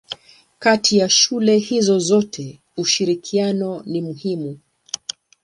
Kati ya shule hizo zote ushirikiano ni muhimu.